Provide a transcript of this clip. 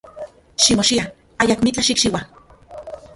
Ximochia, ayakmitlaj xikchiua.